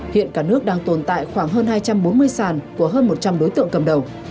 hiện cả nước đang tồn tại khoảng hơn hai trăm bốn mươi sàn của hơn một trăm linh đối tượng cầm đầu